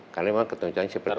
karena memang ketentuan seperti itu